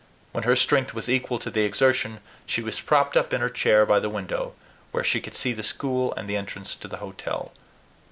When her strength was equal to the exertion, she was propped up in her chair by the window, where she could see the school and the entrance to the hotel.